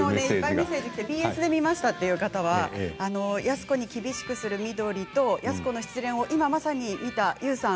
ＢＳで見ましたという方は安子に厳しくする美都里と安子の失恋を今まさに見たＹＯＵさん